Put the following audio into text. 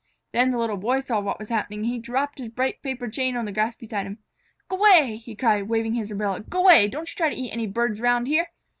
Then the Little Boy saw what was happening, and dropped his bright paper chain on the grass beside him. "G'way!" he cried, waving his umbrella. "G'way! Don't you try to eat any birds 'round here.